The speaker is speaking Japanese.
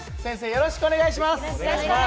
よろしくお願いします。